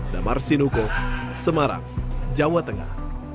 damar sinuko semarang jawa tengah